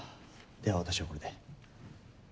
では私はこれで。